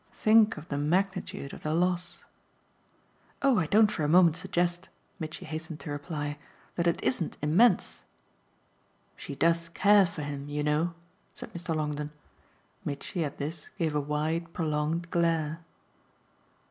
"Think of the magnitude of the loss." "Oh I don't for a moment suggest," Mitchy hastened to reply, "that it isn't immense." "She does care for him, you know," said Mr. Longdon. Mitchy, at this, gave a wide, prolonged glare.